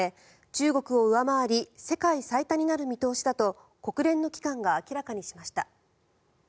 中国を上回り世界最多になる見通しだと国連の機関が明らかにしました。